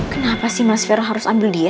kenapa sih mas vero harus ambil dia